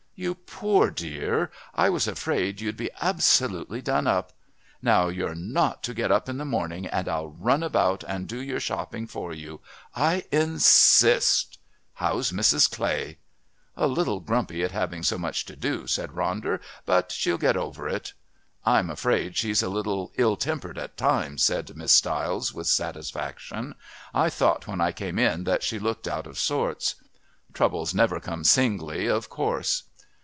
"You poor dear! I was afraid you'd be absolutely done up. Now, you're not to get up in the morning and I'll run about and do your shopping for you. I insist. How's Mrs. Clay?" "A little grumpy at having so much to do," said Ronder, "but she'll get over it." "I'm afraid she's a little ill tempered at times," said Miss Stiles with satisfaction. "I thought when I came in that she looked out of sorts. Troubles never come singly, of course."